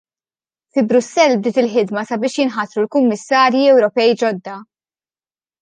Fi Brussell bdiet il-ħidma sabiex jinħatru l-Kummissarji Ewropej ġodda.